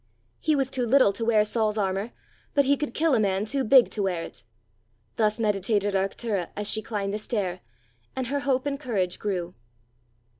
He was too little to wear Saul's armour; but he could kill a man too big to wear it! Thus meditated Arctura as she climbed the stair, and her hope and courage grew.